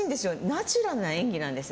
ナチュラルな演技なんです。